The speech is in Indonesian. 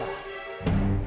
aku akan mencoba